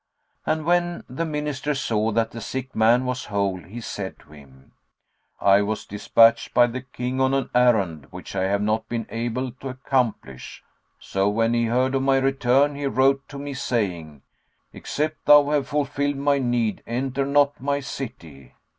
And when the Minister saw that the sick man was whole, he said to him, "I was despatched by the King on an errand, which I have not been able to accomplish. So, when he heard of my return, he wrote to me, saying, 'Except thou have fulfilled my need enter not my city.'"